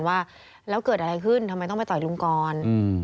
ว่าแล้วเกิดอะไรขึ้นทำไมต้องไปต่อยลุงก่อน